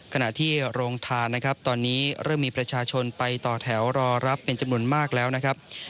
ขณะที่โรงทานนะครับตอนนี้เริ่มมีประชาชนไปต่อแถวรอรับเป็นจำนวนมากแล้วนะครับ